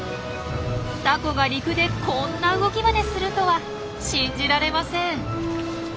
タコが陸でこんな動きまでするとは信じられません。